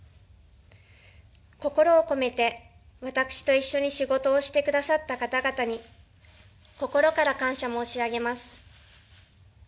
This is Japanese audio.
心を込めて私と一緒に仕事をしてくださった方々に心から感謝申し上げます。